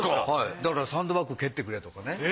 だからサンドバッグ蹴ってくれとかね。